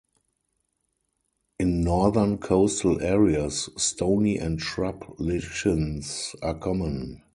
In northern coastal areas, stony and shrub lichens are common.